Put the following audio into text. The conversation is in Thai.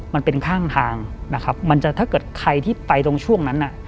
มันเป็นข้างทางนะครับมันจะถ้าเกิดใครที่ไปตรงช่วงนั้นน่ะ